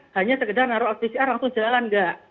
hanya sekedar naruh pcr langsung jalan nggak